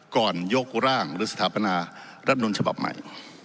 ก่อนยกร่างหรือสถาปนารัฐนุนฉบับใหม่